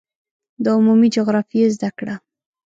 د عمومي جغرافیې زده کړه